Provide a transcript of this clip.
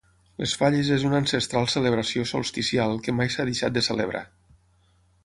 Les falles és una ancestral celebració solsticial que mai s'ha deixat de celebrar.